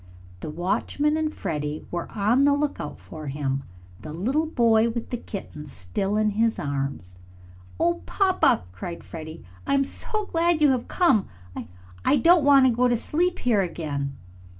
The watchman and Freddie were on the look out for him, the little boy with the kitten still in his arms. "Oh, papa!" cried Freddie. "I am so glad you have come! I I don't want to go to sleep here again!"